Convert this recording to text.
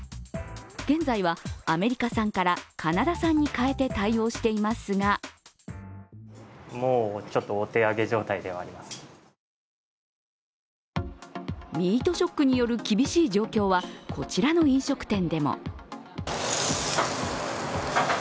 現在はアメリカ産からカナダ産に変えて対応していますがミートショックによる厳しい状況はこちらの飲食店でも。